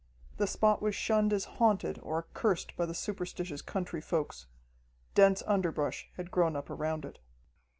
The spot was shunned as haunted or accursed by the superstitious country folks. Dense underbrush had grown up around it.